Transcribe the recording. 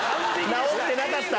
治ってなかった。